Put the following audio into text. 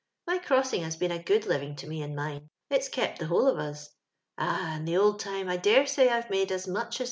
" My crossing has been a good living to me and mine. It's kept the whole of us. Ah 1 in the old time I dare say I've made as much as 3